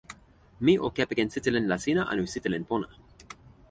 mi o kepeken sitelen Lasina anu sitelen pona?